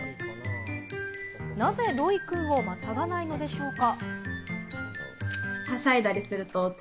なぜロイくんをまたがないのでしょうか？